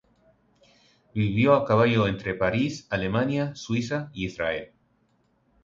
Vivió a caballo entre París, Alemania, Suiza e Israel.